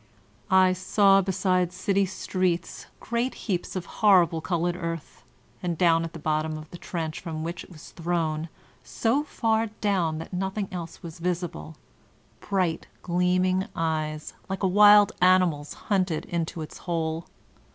I saw beside city streets great heaps of horrible colored earth, and down at the bottom of the trench from which it was thrown, so far down that nothing else was visible, bright gleaming eyes, like a wild animal's hunted into its hole.